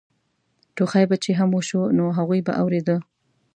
ټوخی به چې هم وشو نو هغوی به اورېده.